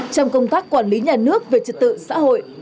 trong công tác quản lý nhà nước về trật tự xã hội